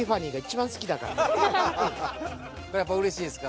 これやっぱうれしいですか？